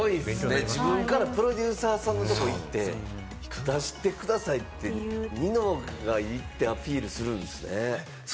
自分からプロデューサーさんとこに行って、出してくださいって、ニノが行ってアピールするんですね。